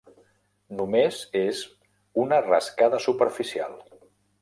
Només és una rascada superficial.